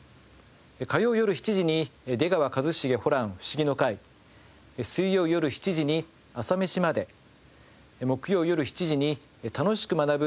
火曜よる７時に『出川一茂ホラン☆フシギの会』水曜よる７時に『朝メシまで。』木曜よる７時に『楽しく学ぶ！